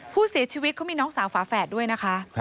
ผู้เสียชีวิตเขามีน้องสาวฝาแฝดด้วยนะคะ